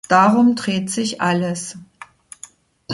Darum dreht sich alles.